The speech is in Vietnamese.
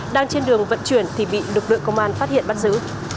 đang trên đường vận chuyển thì bị lực lượng công an phát hiện bắt giữ